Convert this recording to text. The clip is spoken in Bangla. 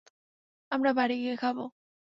আমরা বাড়ি গিয়ে খাবো।